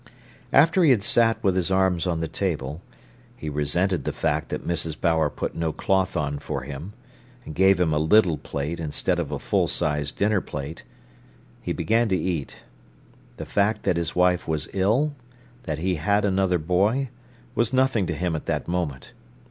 After he had sat with his arms on the table—he resented the fact that Mrs. Bower put no cloth on for him, and gave him a little plate, instead of a full sized dinner plate—he began to eat. The fact that his wife was ill, that he had another boy, was nothing to him at that moment.